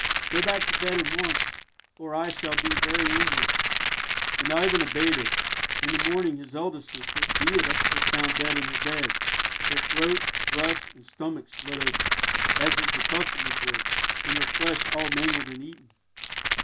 Go back to bed at once, or I shall be very angry." And Ivan obeyed her. In the morning his eldest sister, Beata, was found dead in bed, her throat, breast, and stomach slit open, as is the custom with wolves, and her flesh all mangled and eaten.